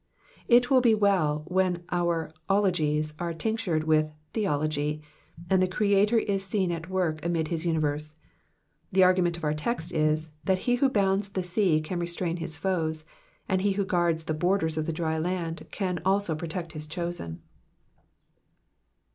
It will be well when all our ologies'' are tinctuied with '* theology,'* and the Creator is seen at work amid his universe. The argument of our text is, that he who bounds the sea can restrain his foes ; and he who guards the borders of the dry land can also protect his chosen.